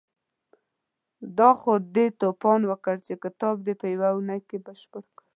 دا خو دې توپان وکړ چې کتاب دې په يوه اونۍ کې بشپړ کړ.